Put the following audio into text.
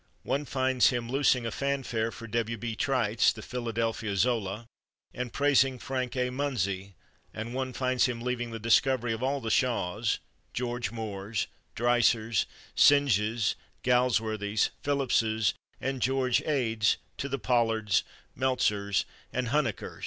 One finds him loosing a fanfare for W. B. Trites, the Philadelphia Zola, and praising Frank A. Munsey—and one finds him leaving the discovery of all the Shaws, George Moores, Dreisers, Synges, Galsworthys, Phillipses and George Ades to the Pollards, Meltzers and Hunekers.